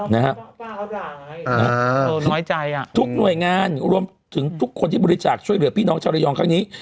นะฮะน้อยใจอ่ะทุกหน่วยงานรวมถึงทุกคนที่บริจาคช่วยเหลือพี่น้องชาวระยองครั้งนี้